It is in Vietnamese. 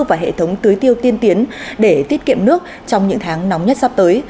và hệ thống tưới tiêu tiên tiến để tiết kiệm nước trong những tháng nóng nhất sắp tới